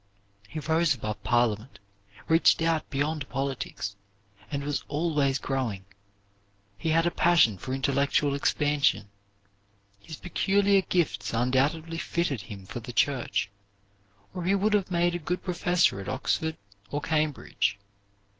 He rose above Parliament, reached out beyond politics, and was always growing. He had a passion for intellectual expansion. His peculiar gifts undoubtedly fitted him for the church, or he would have made a good professor at Oxford or Cambridge.